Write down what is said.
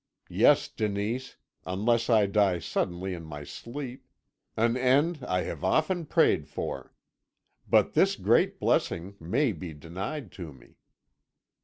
"'Yes, Denise, unless I die suddenly in my sleep an end I have often prayed for. But this great blessing may be denied to me.'